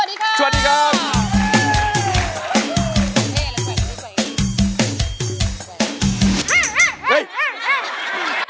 อันนี้เราไปก่อนแล้วสวัสดีครับ